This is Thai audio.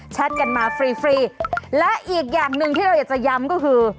กันมาฟรีฟรีและอีกอย่างหนึ่งที่เราอยากจะย้ำก็คือ